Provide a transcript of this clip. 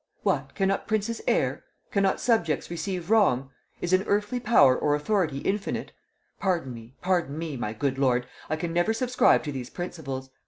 What, cannot princes err? cannot subjects receive wrong? Is an earthly power or authority infinite? Pardon me, pardon me, my good lord, I can never subscribe to these principles.